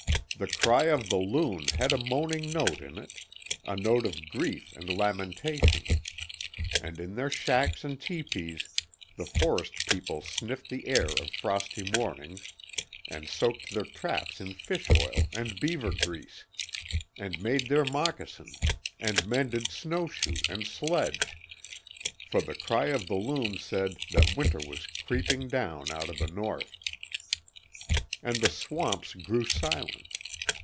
The cry of the loon had a moaning note in it, a note of grief and lamentation. And in their shacks and tepees the forest people sniffed the air of frosty mornings, and soaked their traps in fish oil and beaver grease, and made their moccasins, and mended snow shoe and sledge, for the cry of the loon said that winter was creeping down out of the North. And the swamps grew silent.